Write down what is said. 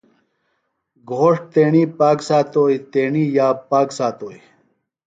گھوݜٹ تیݨی پاک ساتوئیۡ، تیݨی یاب پاک ساتوئیۡ